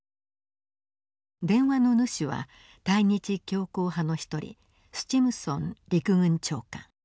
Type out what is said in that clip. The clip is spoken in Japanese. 電話の主は対日強硬派の一人スチムソン陸軍長官。